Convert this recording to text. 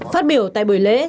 phát biểu tại buổi lễ